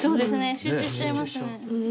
集中しちゃいますね。